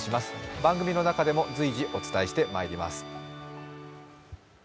番組の中でも随時お伝えしてまいります。